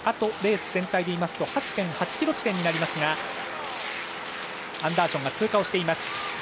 レース全体でいいますと８．８ｋｍ地点になりますがアンダーションが通過しています。